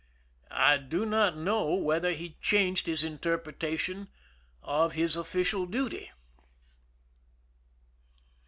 I do not know whether he changed his interpretation of his official duty.